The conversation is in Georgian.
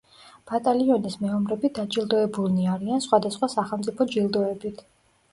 ბატალიონის მეომრები დაჯილდოებულნი არიან სხვადასხვა სახელმწიფო ჯილდოებით.